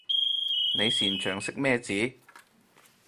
你擅長認咩字？